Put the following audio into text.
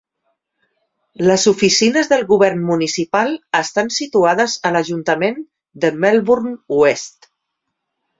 Les oficines del govern municipal estan situades a l'Ajuntament de Melbourne Oest.